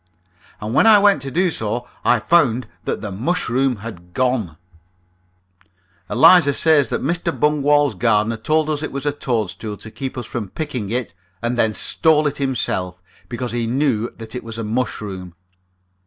And when I went to do so I found that the mushroom had gone. Eliza says that Mr. Bungwall's gardener told us it was a toadstool to keep us from picking it, and then stole it himself, because he knew that it was a mushroom.